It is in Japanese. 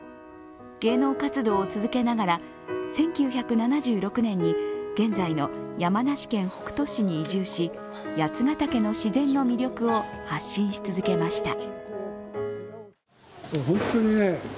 芸能活動を続けながら１９７６年に現在の山梨県北杜市に移住し、八ヶ岳の自然の魅力を発信し続けました。